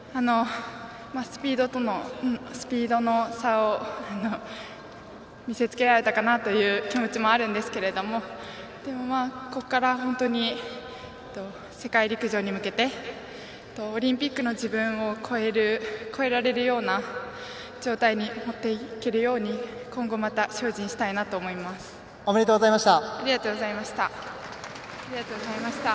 スピードの差を見せつけられたかなという気持ちもあるんですけれどもでも、ここから本当に世界陸上に向けてオリンピックの自分を超えられるような状態に持っていけるようにおめでとうございました。